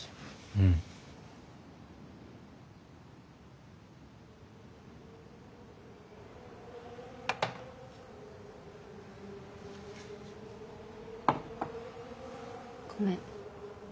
うん。ごめん。